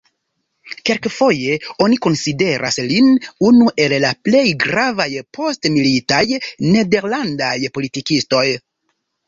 Kelkfoje oni konsideras lin unu el la plej gravaj postmilitaj nederlandaj politikistoj.